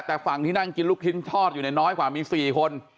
แต่ฝั่งที่นั่งกินลูกชิ้นทอดอยู่เนี่ยน้อยกว่ามี๔คน